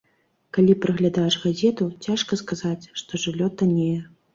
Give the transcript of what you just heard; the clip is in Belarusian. Калі праглядаеш газету, цяжка сказаць, што жыллё таннее.